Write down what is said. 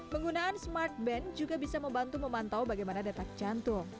penggunaan smartband juga bisa membantu memantau bagaimana detak jantung